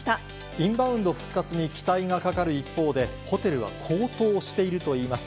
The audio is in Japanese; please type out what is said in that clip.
インバウンド復活に期待がかかる一方で、ホテルは高騰しているといいます。